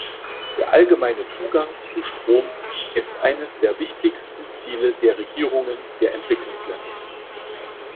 Der allgemeine Zugang zu Strom ist eines der wichtigsten Ziele der Regierungen der Entwicklungsländer.